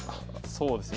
そうですね。